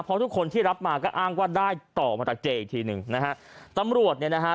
เพราะทุกคนที่รับมาก็อ้างว่าได้ต่อมาจากเจอีกทีหนึ่งนะฮะตำรวจเนี่ยนะฮะ